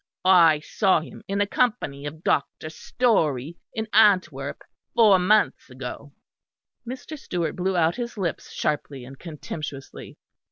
I saw him in the company of Dr. Storey in Antwerp, four months ago." Mr. Stewart blew out his lips sharply and contemptuously.